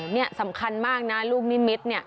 เนี่ยสำคัญมากนะลูกนิมิตรเนี่ย